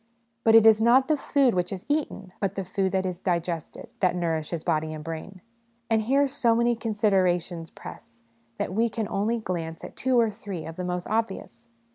But it is not the food which is eaten, but the food which is digested, that nourishes body and brain. And here so many considerations press, that we can only glance at two or three of the most obvious.